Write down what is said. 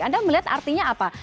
anda melihat artinya apa